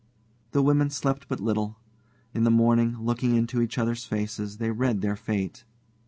The women slept but little. In the morning, looking into each other's faces, they read their fate.